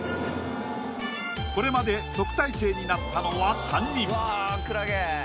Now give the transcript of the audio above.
これまで特待生になったのは３人。